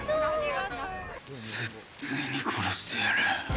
絶対に殺してやる。